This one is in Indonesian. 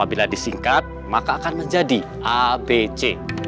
apabila disingkat maka akan menjadi abc